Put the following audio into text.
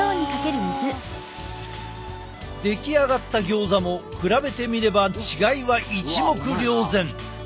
出来上がったギョーザも比べてみれば違いは一目瞭然。